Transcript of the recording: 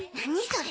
それ。